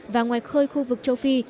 và ngoài khơi khu vực châu phi